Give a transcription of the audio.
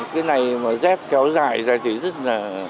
cái này mà rét kéo dài ra thì rất là